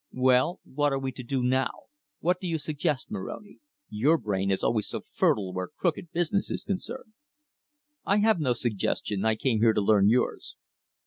"Well, what are we to do now? What do you suggest, Moroni? Your brain is always so fertile where crooked business is concerned." "I have no suggestion. I came here to learn yours."